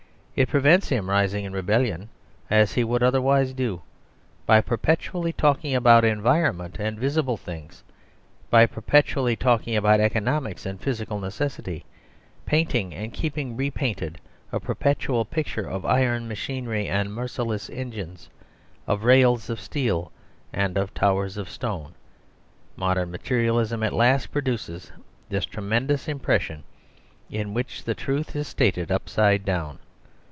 It prevents him rising in rebellion, as he would otherwise do. By perpetually talking about environment and visible things, by perpetually talking about economics and physical necessity, painting and keeping repainted a perpetual picture of iron machinery and merciless engines, of rails of steel, and of towers of stone, modern materialism at last produces this tremendous impression in which the truth is stated upside down.